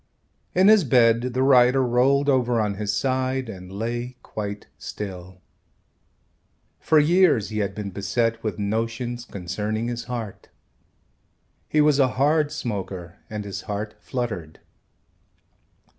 In his bed the writer rolled over on his side and lay quite still. For years he had been beset with notions concerning his heart. He was a hard smoker and his heart fluttered.